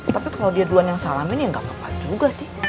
tapi kalau dia duluan yang salamin ya nggak apa apa juga sih